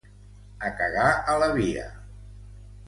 A cagar a la via!